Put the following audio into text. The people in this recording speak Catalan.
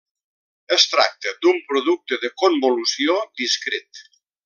Es tracta d'un producte de convolució discret.